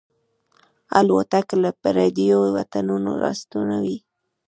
الوتکه له پردیو وطنونو راستنوي.